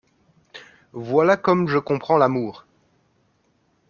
Voilà comme je comprends l’amour !